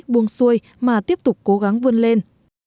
buông xuôi mà tiếp tục cố gắng vươn lên